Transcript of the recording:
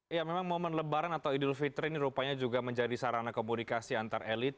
ya memang momen lebaran atau idul fitri ini rupanya juga menjadi sarana komunikasi antar elit